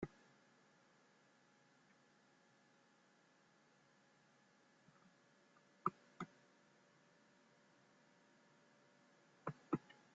El presidente renunció y Saá regresó a España, y de allí a Chile.